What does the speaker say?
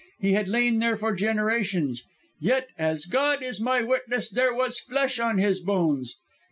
He had lain there for generations; yet, as God is my witness, there was flesh on his bones.